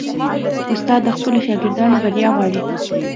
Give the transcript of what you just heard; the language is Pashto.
استاد د خپلو شاګردانو بریا غواړي.